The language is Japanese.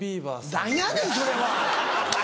何やねんそれは！